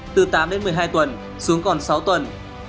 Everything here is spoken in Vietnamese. từ tám đến một mươi hai tuần xuống còn sáu tuần